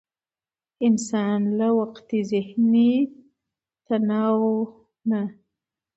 انسان له د وقتي ذهني تناو نه